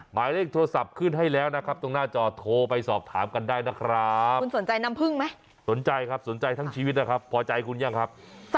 หมายเลขโทรศัพท์ขึ้นให้แล้วนะครับตรงหน้าจอโทรไปสอบถามกันได้นะครับ